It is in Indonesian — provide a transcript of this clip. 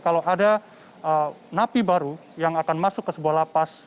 kalau ada napi baru yang akan masuk ke sebuah lapas